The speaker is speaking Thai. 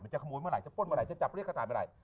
จะขโมยเมื่อไหจะป้นเมื่อไหร่จะจับเรียกขถ่ายเมื่อไหร่